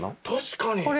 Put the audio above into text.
確かに。